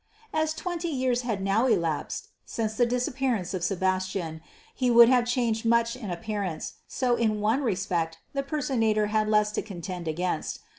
As twenty years had now elapsed since the disappearance of Sebastian, he would have changed much in appearance, so in one respect the personator had less to contend against.